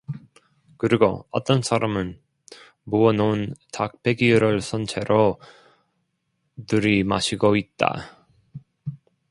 그리고 어떤 사람은 부어 놓은 탁배기를 선 채로 들이마시고 있다.